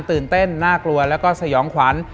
ตื่นเต้นน่ากลัวแล้วก็สยองขวัญ